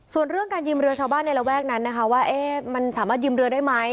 ส่วนเรื่องการยืมเรือชาวบ้านในระแวกนั้นนะคะว่ามันสามารถยืมเรือได้ไหม